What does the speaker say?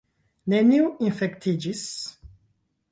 Neniu infektiĝis!